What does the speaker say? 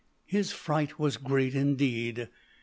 His fright was great, indeed.